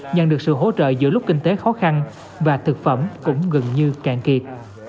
nhận được sự hỗ trợ giữa lúc kinh tế khó khăn và thực phẩm cũng gần như cạn kiệt